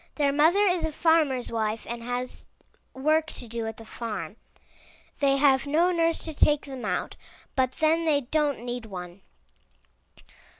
Their mother is a farmer's wife and has work to do at the farm. They have no nurse to take them out, but then they don't need one.